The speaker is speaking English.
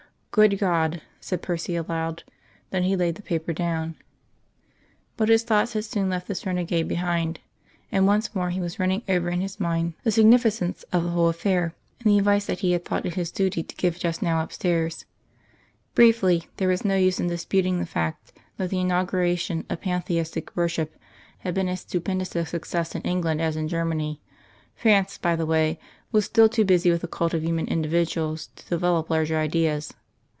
"Good God!" said Percy aloud. Then he laid the paper down. But his thoughts had soon left this renegade behind, and once more he was running over in his mind the significance of the whole affair, and the advice that he had thought it his duty to give just now upstairs. Briefly, there was no use in disputing the fact that the inauguration of Pantheistic worship had been as stupendous a success in England as in Germany. France, by the way, was still too busy with the cult of human individuals, to develop larger ideas.